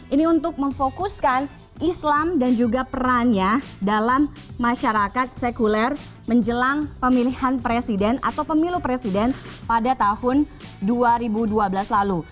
ini untuk memfokuskan islam dan juga perannya dalam masyarakat sekuler menjelang pemilihan presiden atau pemilu presiden pada tahun dua ribu dua belas lalu